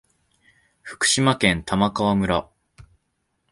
福島県玉川村